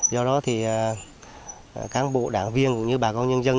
do đó thì cán bộ đảng viên cũng như bà con nhân dân